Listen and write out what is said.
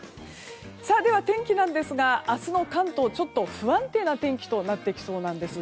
では天気ですが、明日の関東ちょっと不安定な天気となってきそうなんです。